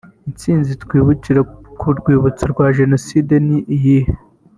Intsinzi twibukira ku rwibutso rwa jenoside ni iyihe